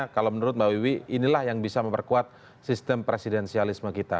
kalau menurut mbak wiwi inilah yang bisa memperkuat sistem presidensialisme kita